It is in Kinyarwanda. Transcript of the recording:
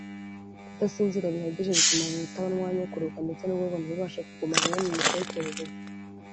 Kudasinzira bihagije bituma umubiri utabona umwanya wo kuruhuka ndetse n’ubwonko ntibubashe kuguma hamwe mu mitekerereze